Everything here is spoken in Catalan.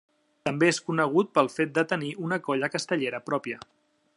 També és conegut pel fet de tenir una colla castellera pròpia.